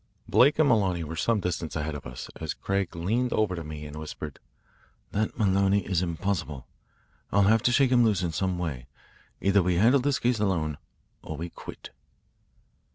Blake and Maloney were some distance ahead of us, as Craig leaned over to me and whispered: "That Maloney is impossible. I'll have to shake him loose in some way. Either we handle this case alone or we quit."